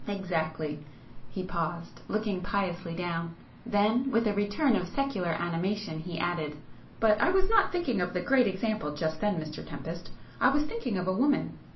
"Exactly!" He paused, looking piously down. Then with a return of secular animation he added—"But I was not thinking of the Great Example just then, Mr Tempest—I was thinking of a woman."